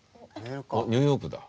ニューヨークだ。